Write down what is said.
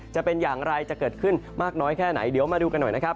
จะเป็นอย่างไรจะเกิดขึ้นมากน้อยแค่ไหนเดี๋ยวมาดูกันหน่อยนะครับ